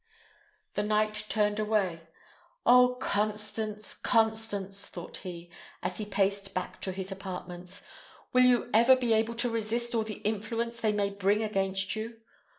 The knight turned away. "Oh, Constance! Constance!" thought he, as he paced back to his apartments; "will you ever be able to resist all the influence they may bring against you?